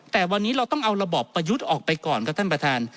แต่วันนี้เราต้องเอาระบอบประยุทธ์ออกไปก่อนครับท่านประธาน